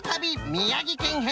宮城県編